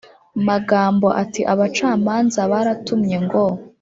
magambo ati Abacamanza baratumye ngo